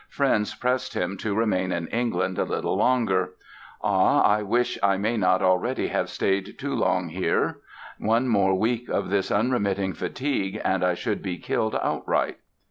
Friends pressed him to remain in England a little longer. "Ah! I wish I may not already have stayed too long here! One more week of this unremitting fatigue and I should be killed outright".